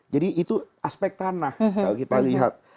jadi itu aspek tanah kalau kita lihat